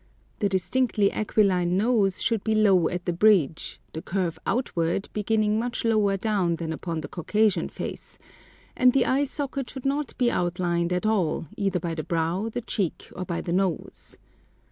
The distinctly aquiline nose should be low at the bridge, the curve outward beginning much lower down than upon the Caucasian face; and the eye socket should not be outlined at all, either by the brow, the cheek, or by the nose.